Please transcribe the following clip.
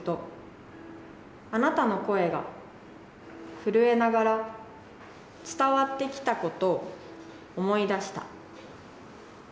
震えながら伝わってきたことを思い出した。